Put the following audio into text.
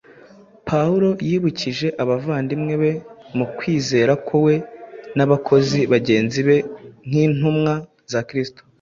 Pawulo yibukije abavandimwe be mu kwizera ko we n’abakozi bagenzi be nk’intumwa za Kristo,